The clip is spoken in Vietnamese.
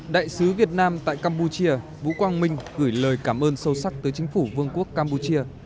đại sứ việt nam tại campuchia vũ quang minh gửi lời cảm ơn sâu sắc tới chính phủ vương quốc campuchia